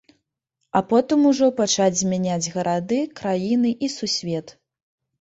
А потым ужо пачаць змяняць гарады, краіны і сусвет.